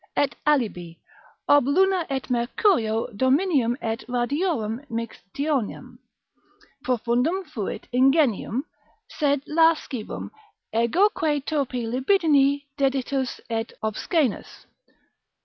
Et alibi, ob ☾ et ☿ dominium et radiorum mixtionem, profundum fuit ingenium, sed lascivum, egoque turpi libidini deditus et obscaenus.